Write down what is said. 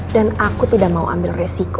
aku tidak mau ambil resiko